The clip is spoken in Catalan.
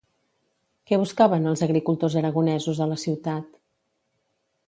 Què buscaven els agricultors aragonesos a la ciutat?